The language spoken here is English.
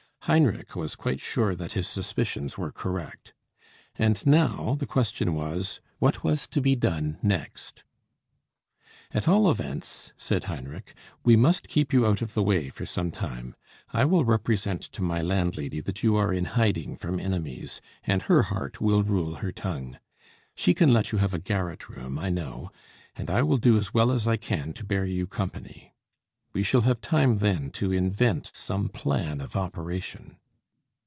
Heinrich was quite sure that his suspicions were correct. And now the question was, what was to be done next? "At all events," said Heinrich, "we must keep you out of the way for some time. I will represent to my landlady that you are in hiding from enemies, and her heart will rule her tongue. She can let you have a garret room, I know; and I will do as well as I can to bear you company. We shall have time then to invent some plan of operation."